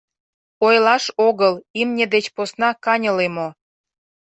Ойлаш огыл, имне деч посна каньыле мо.